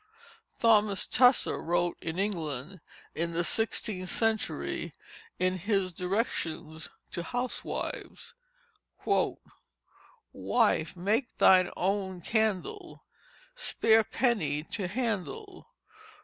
Thomas Tusser wrote in England in the sixteenth century in his Directions to Housewifes: "Wife, make thine own candle, Spare penny to handle.